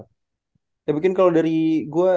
saya bikin kalau dari gue